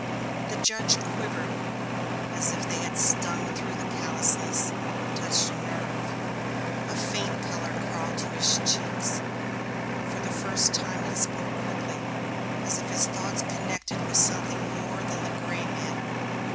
The judge quivered as if they had stung through the callousness, touched a nerve. A faint color crawled to his cheeks; for the first time he spoke quickly, as if his thoughts connected with something more than gray matter.